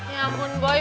ya ampun boy